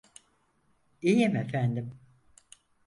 İyiyim efendim.